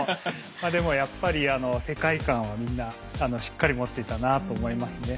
まあでもやっぱり世界観はみんなしっかり持っていたなと思いますね。